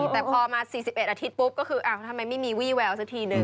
แต่พอมา๔๑อาทิตย์ปุ๊บก็คือทำไมไม่มีวี่แววสักทีนึง